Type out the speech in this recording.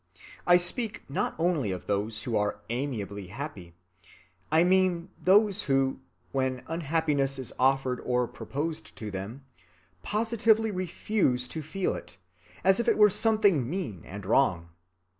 I speak not only of those who are animally happy. I mean those who, when unhappiness is offered or proposed to them, positively refuse to feel it, as if it were something mean and wrong.